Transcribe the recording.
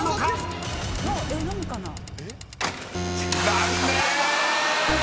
［残念！］